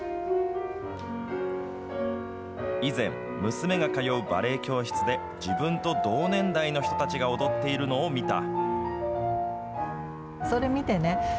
以前、娘が通うバレエ教室で自分と同年代の人たちが踊っているのを見た。